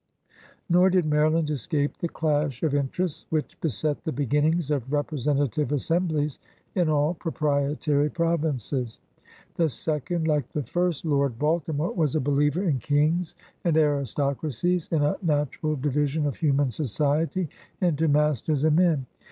Nor did Maryland escape the clash of interests which beset the b^innings of representative assem blies in all proprietary provinces. The second, like the first, Lord Baltimore, was a believer in kings and aristocracies, in a natural division of human society into masters and men.